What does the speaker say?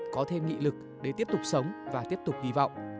có thêm nghị lực để tiếp tục sống và tiếp tục hy vọng